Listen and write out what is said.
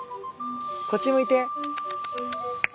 こっち向いて。